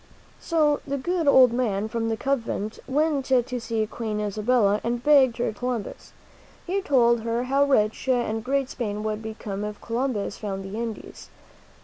So the good old man from the convent went to see Queen Isabella and begged her to help Columbus. He told her how rich and great Spain would become if Columbus found the Indies.